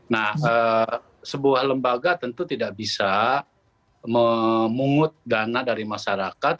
nah sebuah lembaga tentu tidak bisa memungut dana dari masyarakat